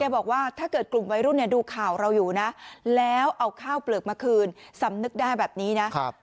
บอกว่าถ้าเกิดกลุ่มวัยรุ่นดูข่าวเราอยู่นะแล้วเอาข้าวเปลือกมาคืนสำนึกได้แบบนี้นะ